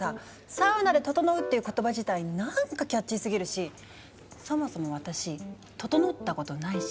「サウナでととのう」っていう言葉自体なんかキャッチーすぎるしそもそも私ととのったことないし。